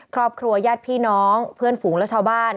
ครอบครัวญาติพี่น้องเพื่อนฝูงและชาวบ้าน